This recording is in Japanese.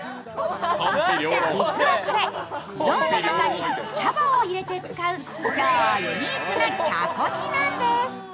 実はこれ、象の中に茶葉を入れて使う超ユニークな茶こしなんです。